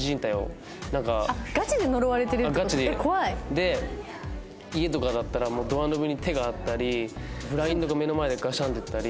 で家とかだったらドアノブに手があったりブラインドが目の前でガシャンって言ったり。